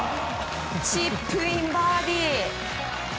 チップインバーディー！